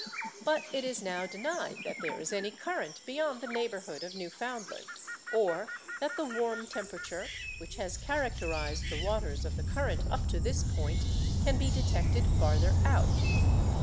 But it is now denied that there is any current beyond the neighbourhood of Newfoundland—or that the warm temperature, which has characterised the waters of the current up to this point, can be detected farther out.